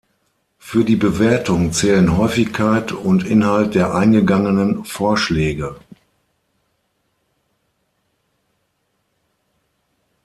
Für die Bewertung zählen Häufigkeit und Inhalt der eingegangenen Vorschläge.